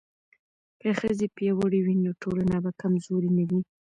که ښځې پیاوړې وي نو ټولنه به کمزورې نه وي.